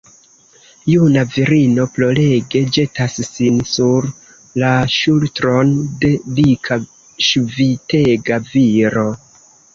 Juna virino plorege ĵetas sin sur la ŝultron de dika, ŝvitega viro.